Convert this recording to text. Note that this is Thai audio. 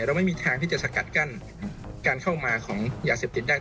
เราไม่มีทางที่จะสกัดกั้นการเข้ามาของยาเสพติดได้